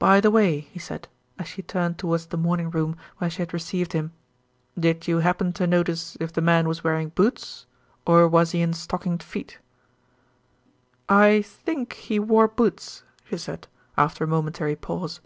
"By the way," he said, as she turned towards the morning room where she had received him, "did you happen to notice if the man was wearing boots, or was he in stockinged feet?" "I think he wore boots, she said, after a momentary pause.